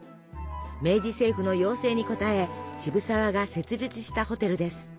明治政府の要請に応え渋沢が設立したホテルです。